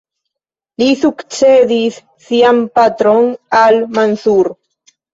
Li sukcedis sian patron, al-Mansur.